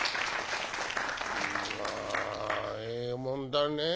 「うわええもんだねえ。